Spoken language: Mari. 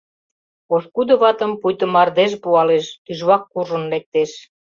Пошкудо ватым пуйто мардеж пуалеш — тӱжвак куржын лектеш.